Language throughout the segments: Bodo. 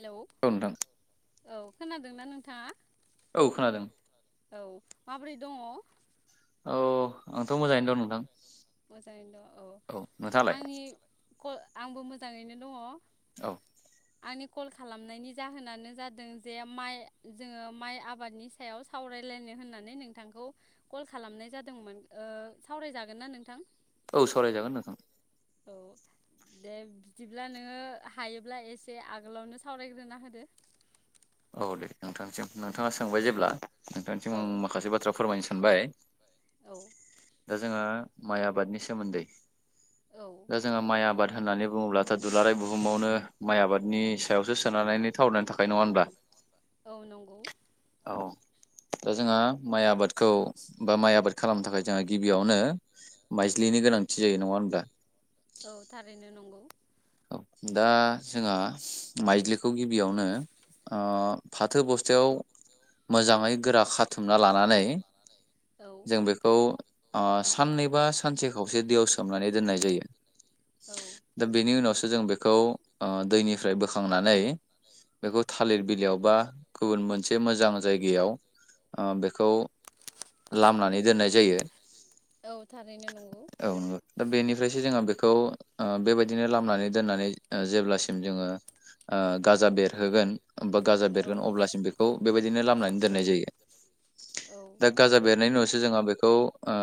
हेल' औ खोनादों। दोंना नोंथाङा औ खोनादों। औ माबोरै दङ औ आंथ' मोजाङैनो दं नोंथां मोजाङैनो दं औ आंनि ख आंबो मोजाङैनो दङ औ आंनि कल खालामनायनि जाहोनानो जादों जे माइ जोङो माइ आबादनि सायाव सावरायलायनो होननानै नोंथांखौ कल खालामनाय जादोंमोन ओ सावरायजागोन ना नोंथां? थां औ सावराय जागोन नोंथां। औ दे बिदिब्ला नोङो हायोब्ला एसे आगोलावनो सावरायग्रोना होदो। औ दे नोंथांसिम नोंथाङा सोंबाय जेब्ला। नोंथांनिसिम आं माखासे बाथ्रा फोरमायनो सानबाय दा जोङो माइ आबादनि सोमोन्दै दा जोङो माइ आबाद होननानै बुङोब्लाथ' दुलाराय बुहुमावनो माइ आबादनि सायावसो सोनानैनानै थावनिनानै थाखाय नङा होनब्ला औ नंगौ औ दा जोंहा माइ आबादखौ बा माइ आबाद खालामनो थाखाय जोंहा गिबियावनो माइज्लिनि गोनांथि जायो नङा होनब्ला औ थारैनो नंगौ औ दा जोंहा माइज्लिखौ गिबियावनो फाथो बस्थायाव मोजाङै गोरा खाथुमना लानानै जों बेखौ ओ साननै बा सानसे खावसे दैयाव सोमनानै दोननाय जायो दा बेनि उनाव सो जों बेखौ ओ दैनिफ्राय बोखांनानै बेखौ थालिर बिलायाव बा गुबुन मोनसे मोजां जायगायाव बेखौ लामनानै दोननाय जायो औ थारैनो नंगौ दा बेनिफ्रायसो जोङा बेखौ ओ बेबायदिनो लामनानै दोननानै ओ जेब्लासिम जोङो ओ गाजा बेरहोगोन बा गाजा बेरगोन अब्लासिम बेखौ बेबायाद बिदिनो लामनानै दोननाय जायो दा गाजा बेरनायनि उनावसो जोंहा बेखौ ओ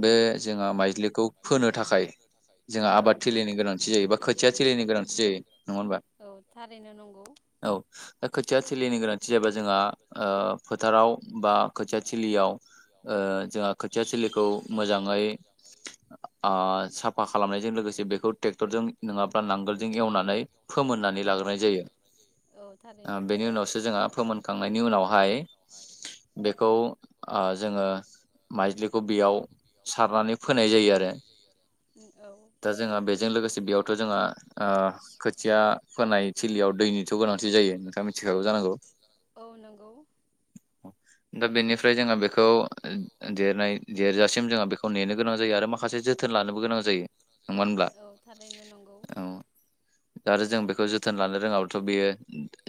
बे जोंहा माइज्लिखौ फोनो थाखाय जोंहा आबाद थिलिनि गोनां थिलि बा खोथिया थिलिनि गोनांथि जायो नङा होनबा औ दा खोथिया थिलिनि गोनां थि जाबा जोंहा ओ फोथाराव बा खोथियाथिलियाव ओ जोहा खोथि थिलिखौ मोजाङै आ साफा खालामनायजों लोगोसे बेखौ टेक्टरजों नोङाब्ला नांगोलजों एवनानै फोमोननानै लाग्रोनाय जायो ओ बेनि उनावसो जोंहा फोमोनखांनायनि उनावहाय बेखौ ओ जोङो माइज्लि खौ बेयाव सारनानै फोनाय जायो आरो दा जों जों लोगोसे बेयावथ' जोंहा खोथिया फोनाय थिलियाव दैनिथ' गोनांथि जायो नोंथाङा मिथिखागौ जानांगौ अ दा बेनिफ्राय जोंहा बेखौ देरनाय देरजासिम जोंहा बेखौ नेनो गोनां जायो आरो माखासे जोथोन लानोबो गोनां जायो नं औ थारैनो नंगौ दा आरो जों बेखौ जोथोन लानो रोङाब्लाथ' बेयो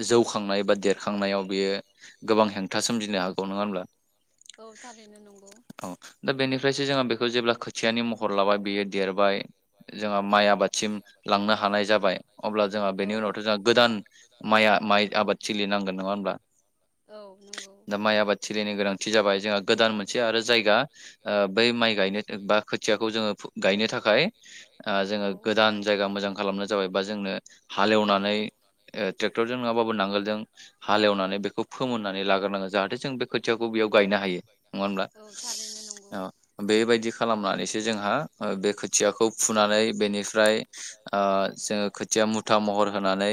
जौखांनाय बा देरखांनायाव बियो गोबां हेंथा सोमजिनो हागौ नङा होमब्ला औ थारैनो नंगौ फ्रायसो जोंहा बेखौ जेब्ला खोथियानि महर लाबाय बियो देरबाय जोंहा माइ आबादसिम लांनो हानाय जाबाय अब्ला जोंहा बेनि उनावथ' जोंहा गोदान माइआ माइ आबाद थिलि नांगोन नङा होमब्ला दा माइ आबाद थिलिनि गोनांथि जाबाय जोंहा गोदान मोनसे आरो जायगा ओ बै माइ गायनो बा खोथियाखौ जोङो गायनो थाखाय जोङो गोदान जागा मोजां खालाम नाय जाबाय बा जोंनो हालेवनानै ओ ट्रेक्टरजों नङाबाबो नांगोलजों हालेवनानै बेखौ फोमोननानै लाग्रोनांगोन जाहाथे जों बे खोथियाखौ बेयाव गायनो हायो नङा होमब्ला? औ थारैनो नंगौ। खालामनानैसो जोंहा ओ बे खोथियाखौ फुनानै बेनिफ्रा ओ जोङो खोथिया मुथा महर होनानै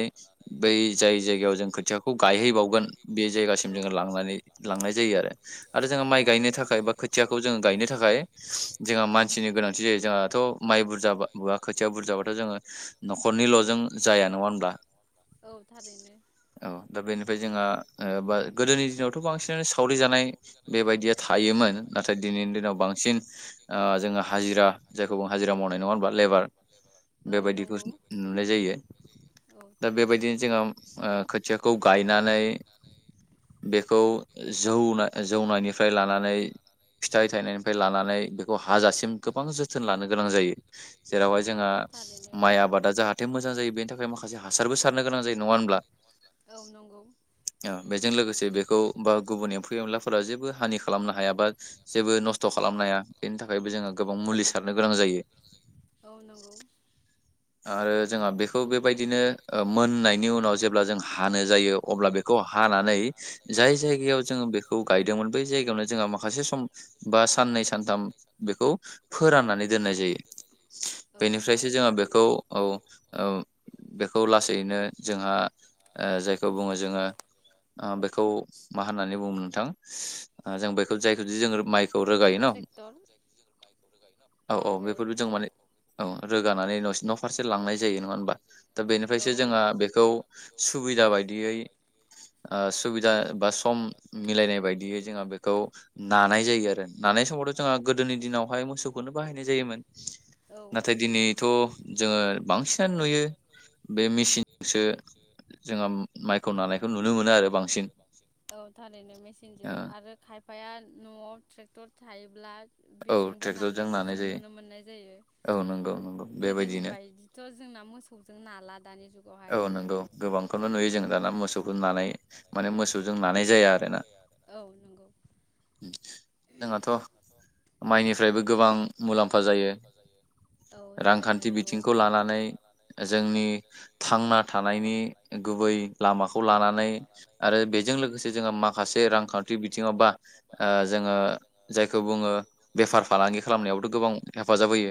बै जाय जायगायाव जों खोथियाखौ गायहैबावगोन बे जायगासिम जोङो लांनानै लांनाय जायो आरो आरो जोङो माइ गायनो थाखाय बा खोथियाखौ जोङो गायनो थाखाय जोंहा मानसिनि गोनांथि जायो जोंहाथ' माइ बुरजा बा खोथिया बुरजाबाथ' जोङो न'खरनिल'जों जाया नङा होनब्ला? औ थारैनो। ओमफ्राय जोंहा गोदोनि दिनावथ' बांसिनानो सावरि जानाय बेबायदिया थायोमोन नाथाय दिनैनि दिनाव बांसिन जोङो हाजिरा जायखौ जोङो। हाजिरा मावनाय नङा होनबा लेबार बेबायदिखौसो नुनाय जायो दा बेबायदिनो जोङो ओ खोथियाखौ गायनानै बेखौ जौ जौनायनिफ्राय लानानै फिथाइ थायनायनिफ्राय लानानै बेखौ हाजासिम गोबां जोथोन लानो गोनां जायो जेरावहाय जोंहा माइ आबादा जाहाथे मोजां जायो बेनि थाखाय माखासे हासारबो सारनो गोनां जायो। नङा होनब्ला ओ बेजों लोगोसे बेखौ बा गुबुन एम्फौ एनलाफोरा जेबो हानि खालामनो हाया बा जेबो नस्थ' खालामनो हाया बेनि थाखायबो जोङो गोबां मुलि सारना नो गोनां जायो। औ नंगौ। आरो जोंहा बे खौ बेबायदिनो मोननायनि उनाव जेब्ला जों हानो जायो अब्ला बेखौ हानानै जाय जायगायाव जोंङो बेखौ गायदोंमोन बै जायगायावनो जोंहा माखासे सम बा साननै सानथाम बेखौ फोराननानै दोननाय जायो बेनिफ्रायसो जोंहा बे खौ औ ओम बेखौ लासैनो जोंहा ओ जायखौ बुङो जोङो ओ बेखौ मा होननानै बुङो नोंथां जों बेखौ जायखौ जे जों माइ खौ रोगायो न औ औ बेफोरबो जों माने औ रोगानानै न'सिम फारसे लांनाय जायो नङा होमबा दा बेनिफ्रायसो जोंहा बेखौ सुबिदा बायदियै सुबिदा बा सम मिलायनाय बायदियै जोंहा बेखौ नानाय जायो आरो। नानाय समावथ' जोंहा गोदोनि दिनावहाय मोसौखौनो बाहायनाय जायोमोन नाथाय दिनैथ' जोङो बांसिनानो नुयो बे मेसिनसोजोंसो जोङो माइखौ नानायखौ नुनो मोनो आरो बांसिन। फाया न'आव ट्रेक्टर थायोब्ला बेजोंबो नानायखौ जों नुनो मोननाय जायो गोदोनि बायदिथ' जोंना मोसौजों नाला। औ नंगौ गोबांखौनो नुयो जों दाना मोसौखौ नानाय माने मोसौजों नानाय जाया आरो ना। जोंहाथ' माइनिफ्रायबो गोबां मुलाम्फा जायो रांखान्थि बिथिंखौ लानानै जोंनि थांना थानायनि गुबै लामाखौ लानानै आरो बेजों लोगोसे जोङो माखासे रांखान्थि बिथिङाव बा ओ जों ओ जायखौ बुङो बेफार फालांगि खालामनायावबोथ' गोबां हेफाजाब होयो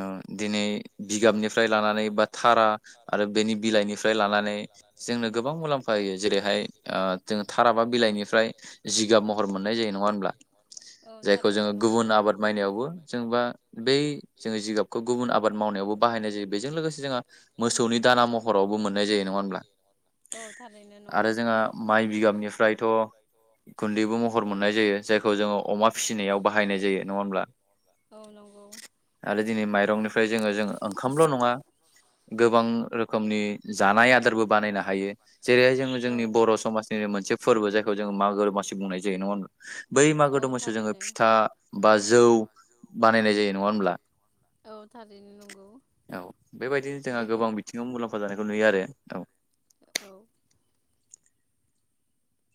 ओ दिनै बिगाबनिफ्राय लानानै बा थारा आरो बेनि बिलाइनिफ्राय लानानै जोंनो गोबां मुलाम्फा होयो जेरैहाय ओ जों थारा बा बिलाइनिफ्राय जिगाब म हर मोननाय जायो नङा होनब्ला जायखौ जोङो गुबुन आबाद मायनायावबो जेनबा बै जोङो जिगाबखौ गुबुन आबाद मावनायावबो बाहायनाय जायो बेजों लोगोसे जोङो मोसौनि दाना महरावबो मोननाय जायो नङा होमब्ला आरो जोंहा माइ बिगाबनिफ्रायथ' गुन्दैबो मह हर मोननाय जायो जायखौ जोङो अमा फिसिनायाव बाहायनाय जायो नङा होमब्ला आरो दिनै माइरंनिफ्राय जोङो जों ओंखामल' नङा गोबां रोखोमनि जानाय आदारबो बानायनो हायो जेरैहाय जोङो जोंनि बर' समाजनिनो मोनसे फोरबो जायखौ जोङो मा [unintelligible] मासि बुंनाय जायो नङा होनबा? बै मागो दमासियाव जोङो फिथा बा जौ बानायनाय जायो नङा होनब्ला औ बेबायदिनो जोंहा गोबां बिथिङाव मुलाम्फा जा नायखौ नुयो आरो औ औ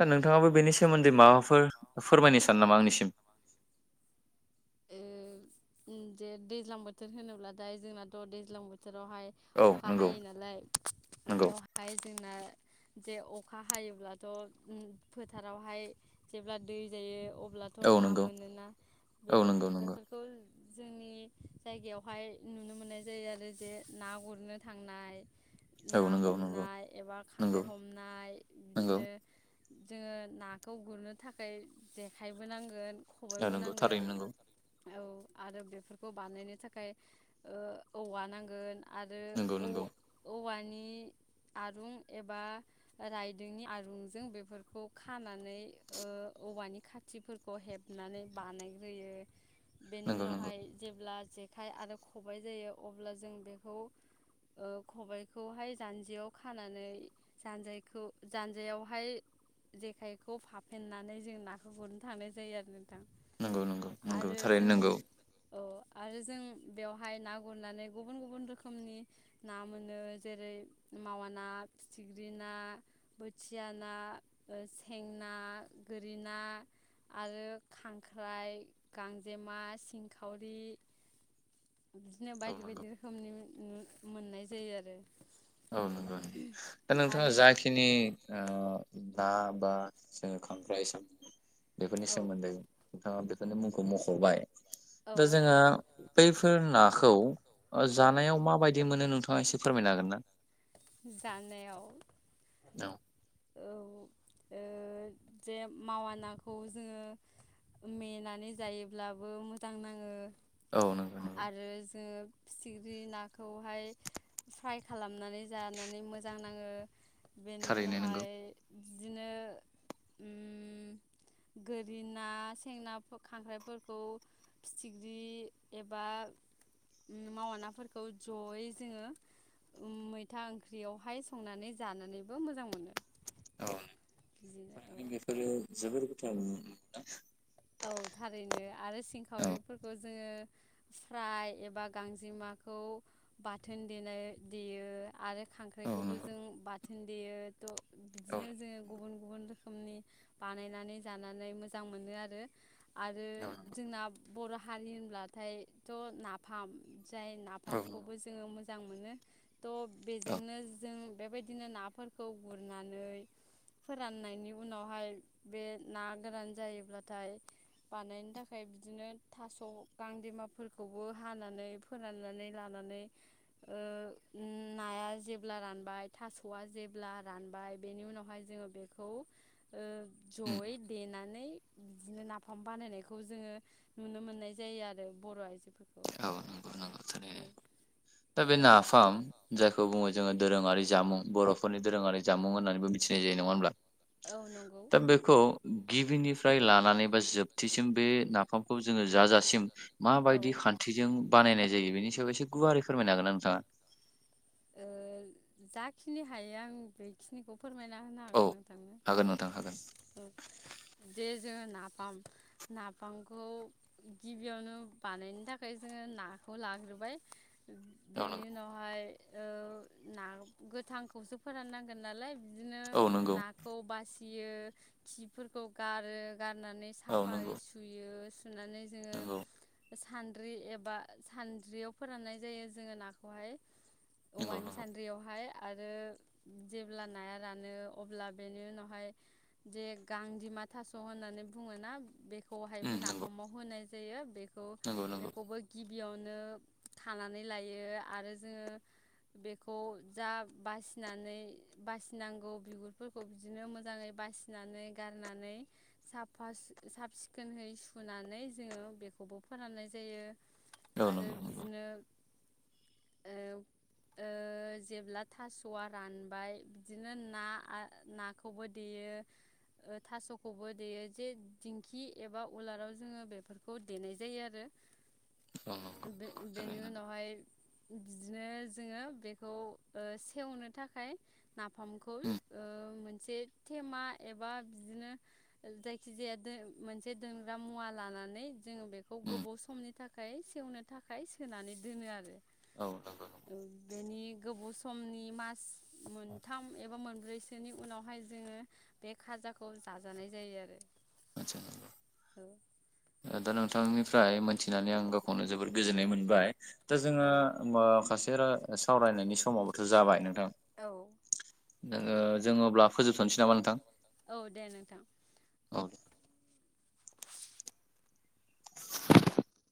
सार नोंथाङाबो बेनि सोमोन्दै माबाफोर फोरमायनो सानो नामा आंनिसिम ओ जे दैज्लां बोथोर होनोब्लाथाय जोंनाथ' दैज्लां बो बोथोरावहाय अखा हायो नालाय बेयावहाय जोंना जे अखा हायोब्लाथ' फोथारावहाय जेब्ला दै जायो थ' ना मोनोना बे बेफोरखौ जोंनि जायगायावहाय नुनो मोननाय जायो आरो जे ना गुरनो थांनाय ना हमनाय एबा खांख्राइ हमनाय बिदिनो जोङो नाखौ गुरनो थाखाय जेखाइ बो नांगोन ओ नोंगौ थारैनो नोंगौ औ आरो बेफोरखौ बानायनो थाखाय ओ औवा नांगोन आरो औ औवानि नि आरुं एबा रायदोंनि आरुंजों बेफोरखौ खानानै ओ औवानि खा थिफोरखौ हेबनानै बानायग्रोयो बेनि उनावहाय जेब्ला जेखाइ आरो खबाइ जायो अब्ला जों बेखौ ओ खबायाइखौहाय जानजियाव खानानै जानजायखौ जानजयावहाय जेखाइखौ फाफेननानै जों ना गुरनो थांनाय जायो आरो नोंगौ नोंगौ नोंगौ थारैनो नोंगौ औ आरो जों बेवहाय ना गुरनानै गुबुन गुबुन रोखोमनि ना मोनो जेरै मावा ना फिथिख्रि ना बोथिया ना ओ सें ना गोरि ना आरो खांख्राइ गांजेमा सिंखावरि बिदिनो बायदि बायदि रोखोमनि उम मोननाय जायो आरो औ नोंगौ दा नोंथाङा जाखिनि ओ दा बा जों खांख्राइ सा बेफोरनि सोमोन्दै नोंथाङा बे मुंखौ मख'बाय दा जोङो बैफोर नाखौ जानायाव माबायदि मोनो नोंथां ङा एसे फोरमायनो हागोन ना? जानायाव औ औ ओ जे मावानाखौ जोङो मेनानै जायोब्लाबो मोजां नाङो। आरो जोङो फिथिख्रि नाखौहाय फ्राय खालामनानै बेनि उनावहाय बिदिनोओ गोरि ना सेंना खांख्राइफोरखौ फिथिख्रि एबा मावा नाफोरखौ जयै जोङो मै फिथा ओंख्रियावहाय संनानै जानानैबो मोजां मोनो। औ बेफोरो जोबोर [unintelligible] औ थारैनो आरो सिंखावरिफोरखौ जोङो फ्राय एबा गांजेमाखौ बाथोन देनाय देयो आरो। खांख्राइखौबो जों बा थोन देयोथ' बिदिनो जोङो गुबुन गुबुन रोखोमनि बानायनानै जानानै मोजां मोनो आरो आरो जोंना बर' हारि होनब्लाथायथ' नाफाम जाय नाफामखौबो जोङो मोजां मोजां मोनो थ' बेजोंनो जों बेबायदिनो नाफोरखौ गुरनानै फोराननायनि उनावहाय बे ना गोरान जायोब्लाथाय बानायनो थाखाय बिदिनो थास' गांदेमाफोरखौबो हानानै फोराननानै लानानै ओ नाया जेब्ला रानबाय थास'आ जेब्ला रानबाय बेनि उनावहाय जोङो बेखौ ओ जयै देनानै बिदिनो ना फाम बानायनायखौ जोङो नुनो मोननाय जायो आरो बर' आइजोफोरखौ। औ नंगौ नंगौ थारैनो दा बे नाफा जायखौ बुङो जोङो दोरोङारि जामुं बर'फोरनि दोरोङारि जामुं होननानैबो मिथिनाय जायो नङा होमब्ला? दा बेखौ गिबिनिफ्राय लानानै बा जोबथिसिम बे ना नाफामखौ जोङो जा जा सिम माबायदि खान्थि बेजों बानायनाय जायो बेनि सायाव एसे गुवारै फोरमायनो हागोन ना नोंथाङा? ओ जाखिनि हायो आं बेखिनिखौ फोरमायना होनो हागोन नोंथांनो जे जोङो ना नाफाम नाफांखौ गिबियावनो बानायनो थाखाय जोङो नाखौ लाग्रोबाय ओम बेनि उनावहाय ओ ना गोथांखौसो फोरान नांगोन नालाय बिदिनो नाखौ बासि गियो खिफोरखौ गारो गारनानै साफायै सुयोस। सुनानै जोङो सानद्रि एबा सानद्रियाव फोराननाय जायो जोङो नाखौहाय। औवानिस सानद्रियावहाय आरो जेब्ला नाया रानो अब्ला बेनि उनावहाय जे गांदिमा थास' होननानै बुङोना बे खौहायबो नाफामाव होनाय जायो बेग खौ बेखौबो गिब बियावनो खानानै लायो आरो जोङो बेखौ जा बासिनानै बासिनांगौ बिगुरफोरखौ बिदिनो मोजाङै बासिनानै गारनानै साफा सि साफ सिखोनहै सुनानै जोङो बेखौबो फोराननाय जायो। आरो बिदिनो एव ओ जेब्ला थास'आ रानबाय बिदिनो ना आ नाखौबो देयो ओ थास'खौबो देयो जे दिंखि एबा उलाराव जोङो बेफोरखौ देनाय जायो आरो। बे-बेनि उनावहाय बिदिज जोङो बेखौ ओ सेवनो थाखाय नाफामखौ ओ मोनसे थेमा एबा बिदिनो जायखि जाया दो मोनसे दोनग्रा मुवा लानानै जोङो बेखौ गोबाव समनि था खाय सेवनो थाखाय सोनानै दोनो आरो। औ नोंगौ नं औ बेनि गोबाव समनि मास मोनथाम एबा मोनब्रैसोनि उनावहाय जोङो बे खाजाखौ जाजानाय जायो आरो। आदसा नोंगौ‌ ओ दा नोंथांनिफ्राय मोनथिनानै आं गावखौनो जोबोर गोजोननाय मोनबाय। दा जोङो माखासे रा सावरायनायनि समाबोथ' जाबाय नोंथां। औ नोङो जोङो अब्ला [inaudible] औ दे नोंथां। औ दे